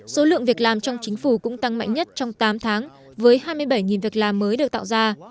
số lượng việc làm trong chính phủ cũng tăng mạnh nhất trong tám tháng với hai mươi bảy việc làm mới được tạo ra